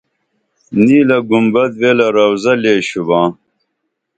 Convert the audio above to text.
نیلہ گنبد ویلہ روضہ لے شُباں